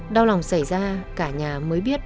đau lòng xảy ra cả nhà mới biết